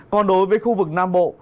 còn đối với khu vực nam bộ